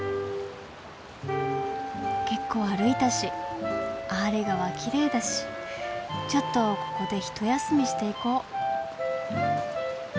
結構歩いたしアーレ川きれいだしちょっとここでひと休みしていこう。